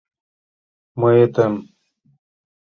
Мыетым.